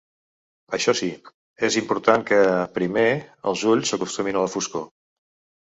Això sí, és important que, primer, els ulls s’acostumin a la foscor.